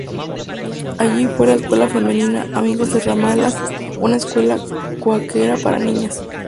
Allí fue a la Escuela Femenina Amigos de Ramala, una escuela cuáquera para niñas.